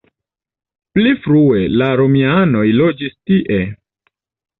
Pli frue la romianoj loĝis tie.